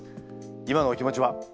今のお気持ちは？